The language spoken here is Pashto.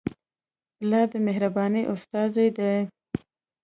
پلار د مهربانۍ استازی دی.